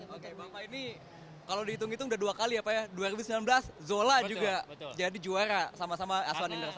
oke bapak ini kalau dihitung hitung udah dua kali ya pak ya dua ribu sembilan belas zola juga jadi juara sama sama aswan indra